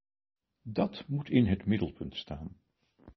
Dat moet in het middelpunt staan.